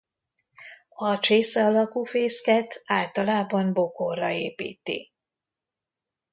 A csésze alakú fészket általában bokorra építi.